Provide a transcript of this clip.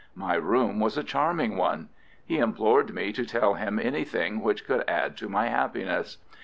My room was a charming one. He implored me to tell him anything which could add to my happiness.